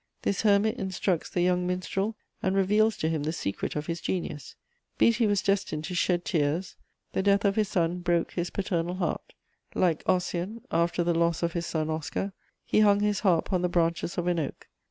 This hermit instructs the young minstrel and reveals to him the secret of his genius. Beattie was destined to shed tears; the death of his son broke his paternal heart: like Ossian, after the loss of his son Oscar, he hung his harp on the branches of an oak.